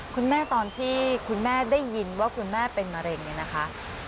คุณแม่ตอนที่คุณแม่ได้ยินว่าคุณแม่เป็นมะเร็งเนี่ยนะคะ